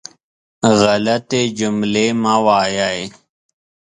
غلطې جملې مه وایئ.